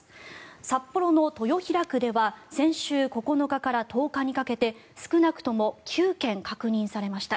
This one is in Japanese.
札幌の豊平区では先週９日から１０日にかけて少なくとも９件確認されました。